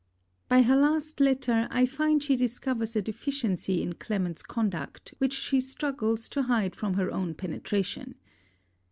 By her last letter, I find she discovers a deficiency in Clement's conduct which she struggles to hide from her own penetration.